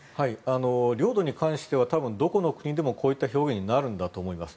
領土に関しては多分、どこの国でもこういった表現になるんだと思います。